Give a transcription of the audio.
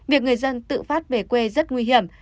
việc người dân tự phát về quê rất nguy hiểm